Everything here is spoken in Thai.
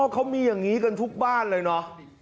เขามีอย่างนี้กันทุกบ้านเลยเนอะ